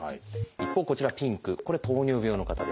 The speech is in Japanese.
一方こちらピンクこれ糖尿病の方です。